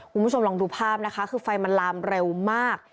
คุณผู้ชมลองดูภาพนะคะคือไฟมันลามเร็วมาก